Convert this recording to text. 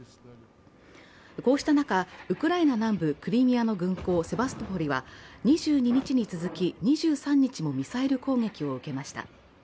こうした中、ウクライナ南部クリミアの軍港セバストポリは２２日に続き２３日もミサイル攻撃を受けました。